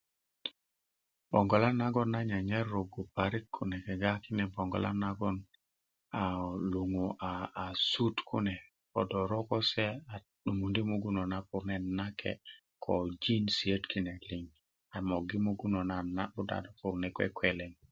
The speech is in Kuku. boŋgolan nagoŋ nan nyanyar roggu parik kune kegga kine boŋgolan nagon aa luŋu a a sut kune ko do roko se a 'dumundi' mugun nenut na purune nakye' ko jinsiyöt kine muggö mugun nenut na nabut s do purune kwekwelen